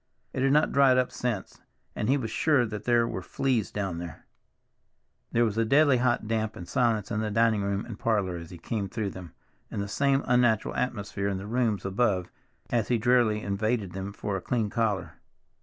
It had not dried up since, and he was sure that there were fleas down there. There was a deadly hot damp and silence in the dining room and parlor as he came through them, and the same unnatural atmosphere in the rooms above as he drearily invaded them for a clean collar.